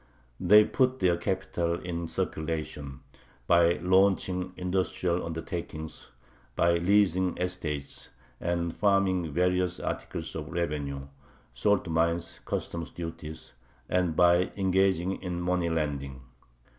They put their capital in circulation, by launching industrial undertakings, by leasing estates, and farming various articles of revenue (salt mines, customs duties), and by engaging in money lending.